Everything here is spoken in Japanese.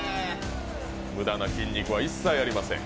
無駄な筋肉は一切ありません。